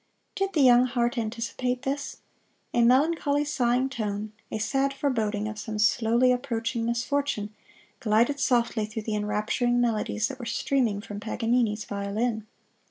Did the young heart anticipate this? A melancholy sighing tone, a sad foreboding of some slowly approaching misfortune, glided softly through the enrapturing melodies that were streaming from Paganini's violin.